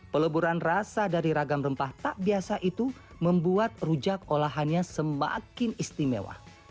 peleburan rasa dari ragam rempah tak biasa itu membuat rujak olahannya semakin istimewa